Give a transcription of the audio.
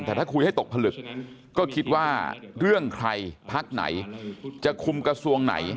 แต่ถ้าคุยให้ตกผลึกก็คิดว่าเรื่องใครพักไหนจะคุมกระทรวงไหน